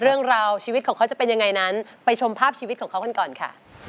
เรื่องราวชีวิตของเขาจะเป็นยังไงนั้นไปชมภาพชีวิตของเขากันก่อนค่ะ